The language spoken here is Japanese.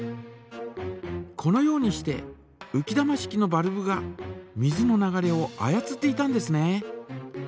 このようにしてうき玉式のバルブが水の流れを操っていたんですね。